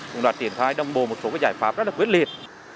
cũng đoạt triển thai đông bồ một số giải pháp rất là quyết liệt